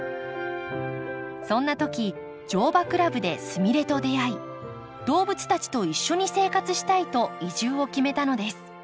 そんなとき乗馬クラブですみれと出会い動物たちと一緒に生活したいと移住を決めたのです。